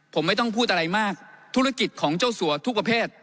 ผมไม่ต้องพูดอะไรมากธุรกิจของเจ้าสัวทุกประเภท